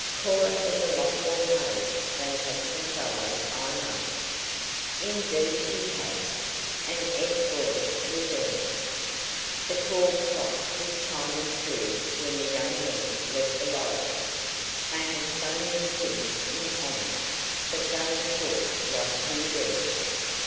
"Cora has a lot more courage than have some fellows I know." "Indeed she has," and Ed's voice was earnest. The tall clock was chiming two when the young men left the library. They had so many things in common that they talked like two girls.